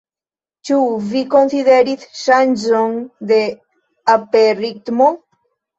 Ĉu vi konsideris ŝanĝon de aperritmo?